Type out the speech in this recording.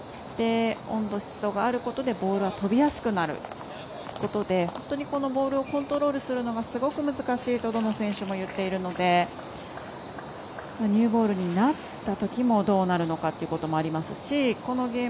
温度、湿度があることでボールが飛びやすくなることで本当にこのボールをコントロールすることがすごく難しいとどの選手も言っているのでニューボールになったときもどうなるのかということもあります